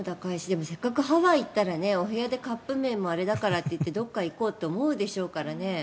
でも、せっかくハワイに行ったらお部屋でカップ麺もあれだからっていってどこか行こうって思うでしょうからね。